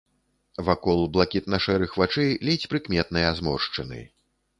Вакол блакітна-шэрых вачэй ледзь прыкметныя зморшчыны.